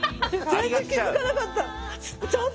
全然気付かなかった。